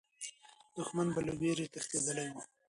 دښمن به له ویرې تښتېدلی وو.